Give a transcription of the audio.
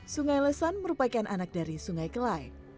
sungai lesan merupakan anak dari sungai kelai